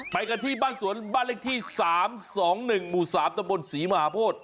ไปกันที่บ้านสวนบ้านเลขที่๓๒๑หมู่๓ตะบนศรีมหาโพธิ